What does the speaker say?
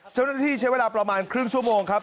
เจ้าหน้าที่ใช้เวลาประมาณครึ่งชั่วโมงครับ